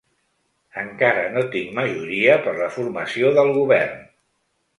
Encara no tinc majoria per la formació del govern.